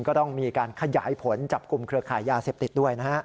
ก็ต้องมีการขยายผลจับกลุ่มเครือขายยาเสพติดด้วยนะฮะ